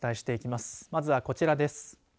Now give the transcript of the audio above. まずは、こちらです。